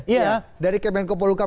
iya dari kemenko poluluka